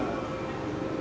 tidak ikutin aturan aturan